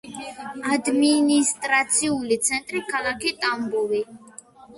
ადმინისტრაციული ცენტრი ქალაქი ტამბოვი.